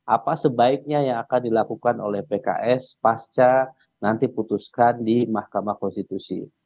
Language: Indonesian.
apa sebaiknya yang akan dilakukan oleh pks pasca nanti putuskan di mahkamah konstitusi